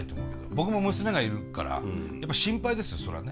僕も娘がいるから心配ですよそらね。